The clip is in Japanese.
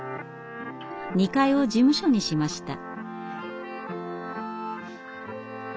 ２階を事務所にしました。